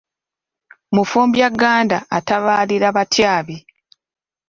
Mufumbyagganda atabalira batyabi.